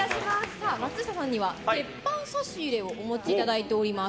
さあ、松下さんにはてっぱん差し入れをお持ちいただいております。